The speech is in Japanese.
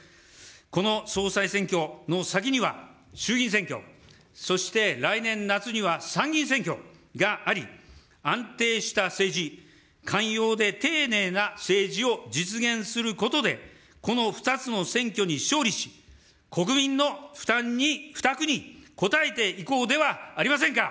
この総裁選挙の先には、衆議院選挙、そして来年夏には参議院選挙があり、安定した政治、寛容で丁寧な政治を実現することで、この２つの選挙に勝利し、国民のふたんに、負託に応えていこうではありませんか。